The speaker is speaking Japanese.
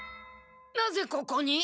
なぜここに！？